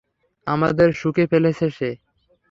আমাদের শুঁকে ফেলেছে সে।